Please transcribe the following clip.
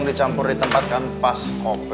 siap siap siap